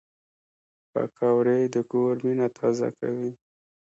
پکورې د کور مینه تازه کوي